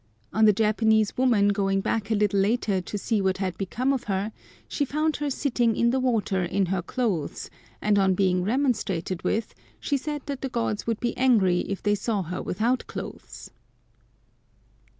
On the Japanese woman going back a little later to see what had become of her, she found her sitting in the water in her clothes; and on being remonstrated with, she said that the gods would be angry if they saw her without clothes!